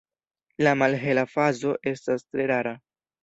La malhela fazo estas tre rara.